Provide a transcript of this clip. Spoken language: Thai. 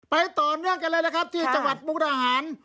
ต่อเนื่องกันเลยนะครับที่จังหวัดมุกดาหาร